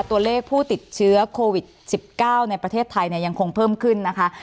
ตัวเลขผู้ติดเชื้อโควิด๑๙ในประเทศไทยเนี่ยยังคงเพิ่มขึ้นนะคะ